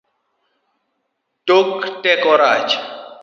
Tok teko rach